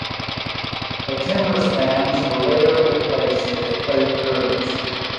The timber spans were later replaced with plate girders.